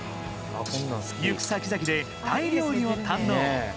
行く先々でタイ料理を堪能。